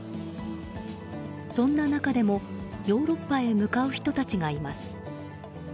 そんな中でも、ヨーロッパへ向かう人たちがいます。